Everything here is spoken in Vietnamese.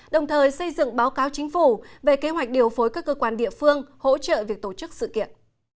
đồng thời xây dựng báo cáo chính phủ về kế hoạch điều phối các cơ quan địa phương hỗ trợ việc tổ chức sự kiện